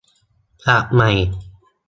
ศัพท์ใหม่